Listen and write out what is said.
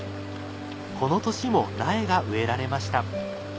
この年も苗が植えられました。